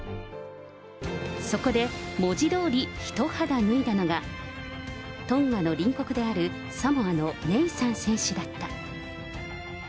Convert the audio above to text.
そこで文字どおり一肌脱いだのが、トンガの隣国であるサモアのネイサン選手だった。